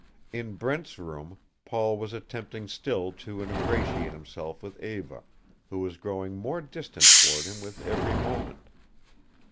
In Brent's room, Paul was attempting still to ingratiate himself with Eva, who was growing more distant toward him with every moment.